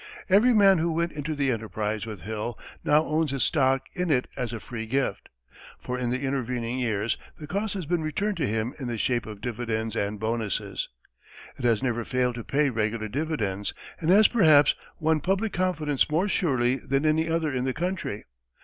Every man who went into the enterprise with Hill now owns his stock in it as a free gift, for in the intervening years, the cost has been returned to him in the shape of dividends and bonuses. It has never failed to pay regular dividends, and has, perhaps, won public confidence more surely than any other in the country.